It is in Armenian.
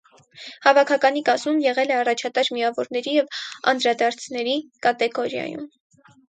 Հավաքականի կազմում եղել է առաջատար միավորների և անդրադարձների կատեգորիայում։